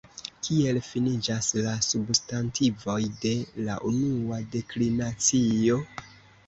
Kiel finiĝas la substantivoj de la unua deklinacio?